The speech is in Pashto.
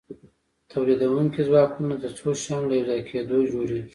تولیدونکي ځواکونه د څو شیانو له یوځای کیدو جوړیږي.